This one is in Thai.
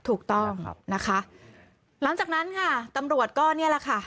ถูกต้องนะคะหลังจากนั้นค่ะตำรวจก็นี่แหละค่ะ